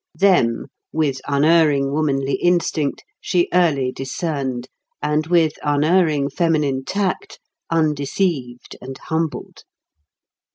Them, with unerring womanly instinct, she early discerned, and with unerring feminine tact, undeceived and humbled.